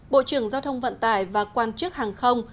bộ trưởng giao thông vận tải và quan chức hàng không